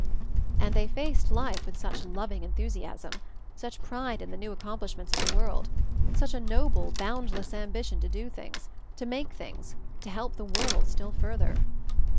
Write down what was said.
And they faced life with such loving en thusiasm! Such pride in the new accom plishments of the world! Such a noble, boundless ambition to do things, to make things, to help the world still further.